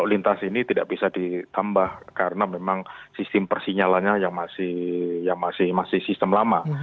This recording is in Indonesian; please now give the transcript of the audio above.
lintas ini tidak bisa ditambah karena memang sistem persinyalannya yang masih sistem lama